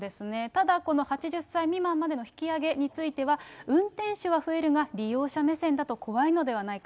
ただ、この８０歳未満への引き上げについては、運転手は増えるが、利用者目線だと怖いのではないか。